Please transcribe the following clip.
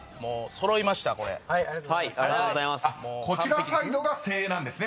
［こちらサイドが精鋭なんですね。